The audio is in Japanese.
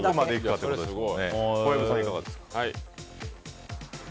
小籔さん、いかがですか。